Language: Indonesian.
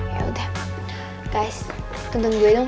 ya udah guys tonton judang tolong